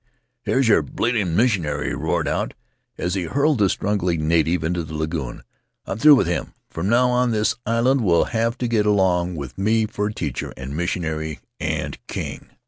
"Here's your bleeding missionary!' he roared out, as he hurled the struggling native into the lagoon. "I'm through with him — from now on this island will have to get along with me for teacher and missionary and king!"